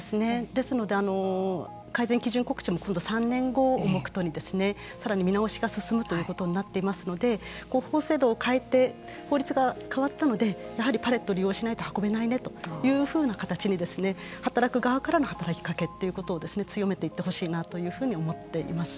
ですので、改善基準告知も今度３年後を目途にさらに見直しが進むということになっていますので法制度を変えて法律が変わったのでやはりパレットを利用しないと運べないねというふうな形に働く側からの働きかけということを強めていってほしいなというふうに思っています。